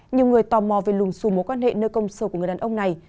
nhiều người tò mò về lùng xù mối quan hệ nơi công sâu của người đàn ông này